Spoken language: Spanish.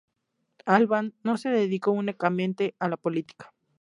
Albán no se dedicó únicamente a la política.